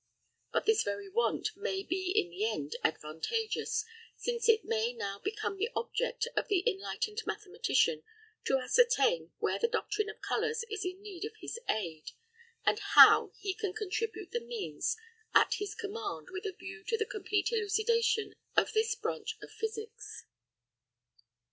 But this very want may be in the end advantageous, since it may now become the object of the enlightened mathematician to ascertain where the doctrine of colours is in need of his aid, and how he can contribute the means at his command with a view to the complete elucidation of this branch of physics.